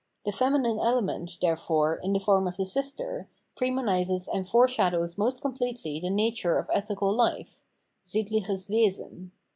The feminine element, therefore, in the form of the sister, premonises and foreshadows most completely the nature of ethical hfe {sittliches Wesen).